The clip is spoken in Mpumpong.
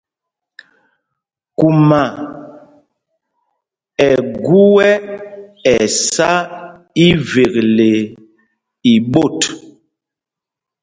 Kuma ɛ gu ɛ ɛsá ivekle i ɓot.